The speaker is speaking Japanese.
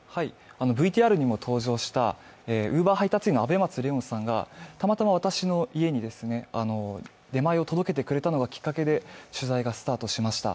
ＶＴＲにも登場したＵｂｅｒ配達員のあべ松怜音さんがたまたま私の家に出前を届けてくれたのがきっかけで取材がスタートしました。